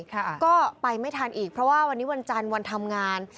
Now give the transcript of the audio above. ค่ะก็ไปไม่ทันอีกเพราะว่าวันนี้วันจันทร์วันทำงาน